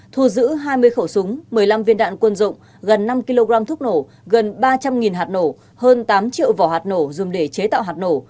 thu giữ hai mươi khẩu súng một mươi năm viên đạn quân dụng gần năm kg thuốc nổ gần ba trăm linh hạt nổ hơn tám triệu vỏ hạt nổ dùng để chế tạo hạt nổ